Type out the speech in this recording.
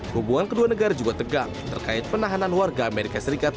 hubungan kedua negara juga tegang terkait penahanan warga amerika serikat